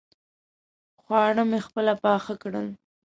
خواړه مو خپله پاخه کړل.